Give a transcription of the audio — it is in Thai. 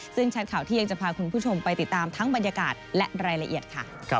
ซึ่งชัดข่าวเที่ยงจะพาคุณผู้ชมไปติดตามทั้งบรรยากาศและรายละเอียดค่ะ